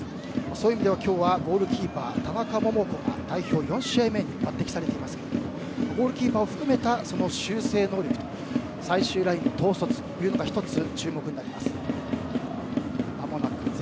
そういう意味では今日はゴールキーパーの田中桃子が代表４試合目に抜擢されていますがゴールキーパーを含めた修正能力最終ラインの統率というのが１つ、注目になります。